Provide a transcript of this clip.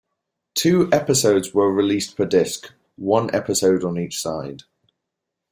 Two episodes were released per disc, one episode on each side.